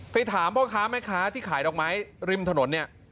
ถามพ่อค้าแม่ค้าที่ขายดอกไม้ริมถนนเนี่ย